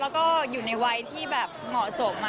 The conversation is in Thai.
แล้วก็อยู่ในวัยที่แบบเหมาะสม